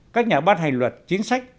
các nhà bán hành luật chính sách